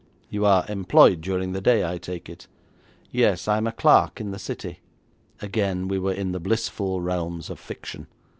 'You are employed during the day, I take it?' 'Yes, I am a clerk in the City.' Again we were in the blissful realms of fiction!